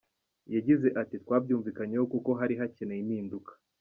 Yagize ati”Twabyumvikanyeho kuko hari hakenewe impinduka.